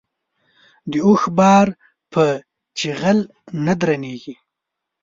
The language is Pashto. د اوښ بار په چيغل نه درنېږي.